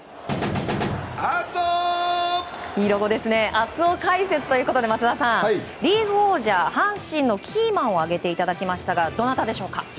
熱男解説ということで松田さん、リーグ王者阪神のキーマンを挙げていただきましたがどなたですか？